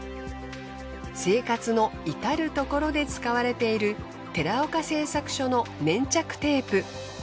生活のいたるところで使われている寺岡製作所の粘着テープ。